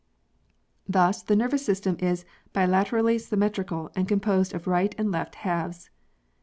Thus the nervous system is bilaterally symmetrical and composed of right and left halves.